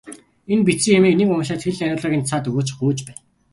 Энэ бичсэн юмыг нэг уншаад хэл найруулгыг нь засаад өгөөч, гуйж байна.